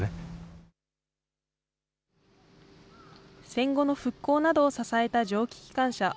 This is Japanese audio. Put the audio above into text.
戦後の復興などを支えた蒸気機関車。